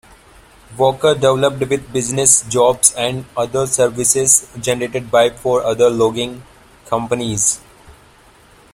Walker developed with business, jobs and other services generated by four other logging companies.